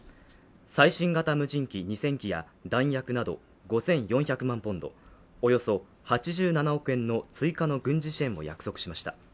最新型無人機２０００機や弾薬など５４００万ポンド、およそ８７億円の追加の軍事支援を約束しました。